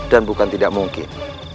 dan bukan tidak mungkin